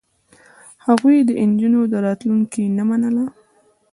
هغوی د نجونو راتلونکې نه منله.